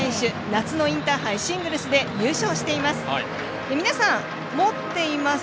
夏のインターハイシングルスで優勝しています。